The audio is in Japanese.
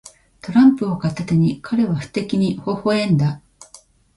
トランプを片手に、彼は不敵にほほ笑んだ。